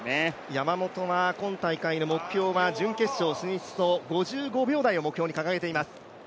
山本は今大会の目標は準決勝進出と５５秒台を目標に掲げています。